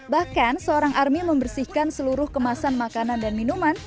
bahkan seorang army membersihkan seluruh kemasan makanan dan minuman